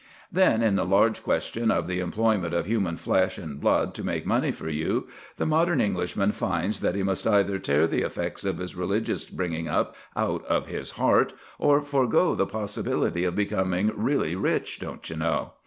Then in the large question of the employment of human flesh and blood to make money for you, the modern Englishman finds that he must either tear the effects of his religious bringing up out of his heart, or forego the possibility of becoming really rich, don't you know.